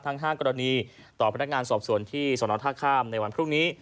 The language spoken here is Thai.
ทั้ง๕กรณีต่อพนักงานสอบส่วนที่สนท่าข้ามในวันพรุ่งนี้